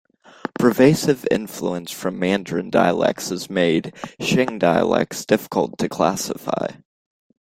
Pervasive influence from Mandarin dialects has made Xiang dialects difficult to classify.